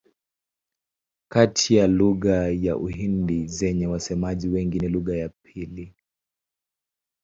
Kati ya lugha za Uhindi zenye wasemaji wengi ni lugha ya pili.